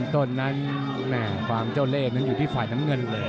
ต้นนั้นความเจ้าเลขอยู่ที่ฝ่ายน้ำเงินเลย